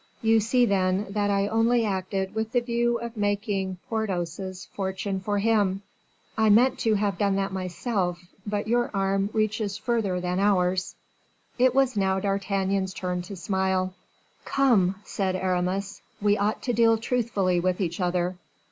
"You see, then, that I only acted with the view of making Porthos's fortune for him." "I meant to have done that myself; but your arm reaches farther than ours." It was now D'Artagnan's turn to smile. "Come," said Aramis, "we ought to deal truthfully with each other.